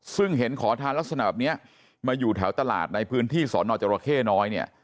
ซึ่งเห็นขอทานลักษณะแบบนี้มาอยู่แถวตลาดในพื้นที่สอนอจรเข้น้อยเนี่ย